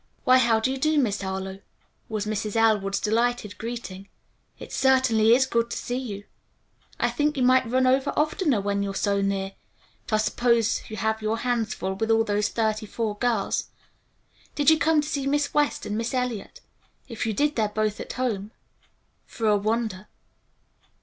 "Why, how do you do, Miss Harlowe?" was Mrs. Elwood's delighted greeting. "It certainly is good to see you. I think you might run over oftener when you're so near, but I s'pose you have your hands full with all those thirty four girls. Did you come to see Miss West and Miss Eliot? If you did, they're both at home, for a wonder.